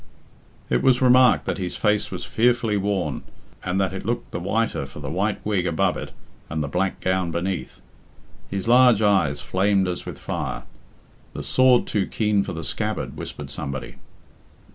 It was remarked that his face was fearfully worn, and that it looked the whiter for the white wig above it and the black gown beneath. His large eyes flamed as with fire. "The sword too keen for the scabbard," whispered somebody.